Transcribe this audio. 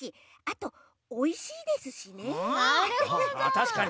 たしかに！